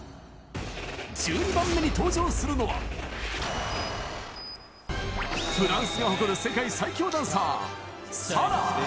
１２番目に登場するのは、フランスが誇る世界最強ダンサー、ＳＡＬＡＨ。